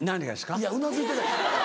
いやうなずいてた。